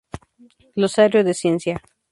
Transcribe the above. Glosario de ciencia.